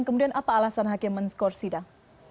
kemudian apa alasan hakiman skorsidang